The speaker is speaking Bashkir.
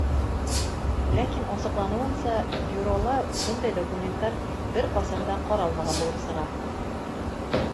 Ләкин асыҡланыуынса, Бюрола бындай документтар бер ҡасан да ҡаралмаған булып сыға.